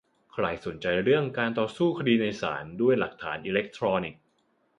ใครสนใจเรื่องการต่อสู้คดีในศาลด้วยหลักฐานอิเล็กทรอนิกส์